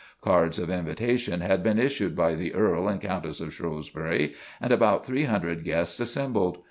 Cards of invitation had been issued by the Earl and Countess of Shrewsbury and about three hundred guests assembled.